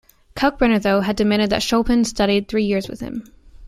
Kalkbrenner, though, had demanded that Chopin study three years with him.